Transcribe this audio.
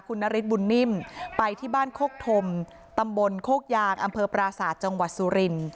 คุณนฤทธบุญนิ่มไปที่บ้านโคกธมตำบลโคกยางอำเภอปราศาสตร์จังหวัดสุริน